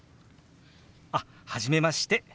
あっ初めまして。